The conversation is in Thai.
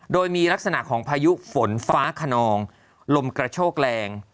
โดยมีลักษณะของพายุฝนฟ้าขนองลมกระโชกแรง